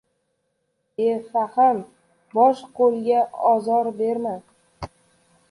• Befahm bosh qo‘lga ozor beradi.